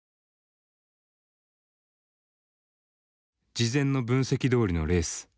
事前の分析どおりのレース。